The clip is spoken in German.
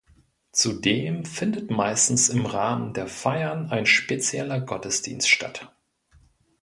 Zudem findet meistens im Rahmen der Feiern ein spezieller Gottesdienst statt.